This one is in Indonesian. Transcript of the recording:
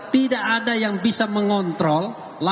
tidak ada yang bisa mengontrol